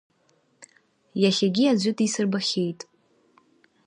Иахьагьы аӡәы дисырбахьеит.